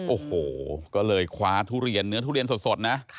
โอ้โหก็เลยคว้าทุเรียนเนื้อทุเรียนสดนะ